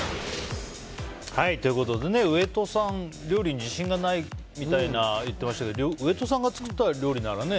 上戸さん、料理に自信がないみたいなこと言ってましたけど上戸さんが作った料理ならね